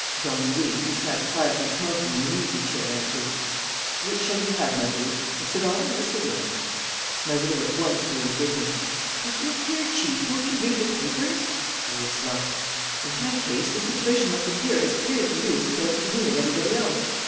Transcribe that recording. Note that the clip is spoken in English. Don Luis, who sat quietly smoking in an easy chair, answered: "Which will you have, Mazeroux? A cigar or a cigarette?" Mazeroux at once grew indignant. "But look here, Chief, don't you read the papers?" "Worse luck!" "In that case, the situation must appear as clear to you as it does to me and everybody else.